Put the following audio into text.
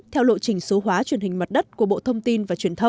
theo lộ trình số hóa truyền hình mặt đất của bộ thông tin